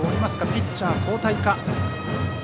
ピッチャー交代か。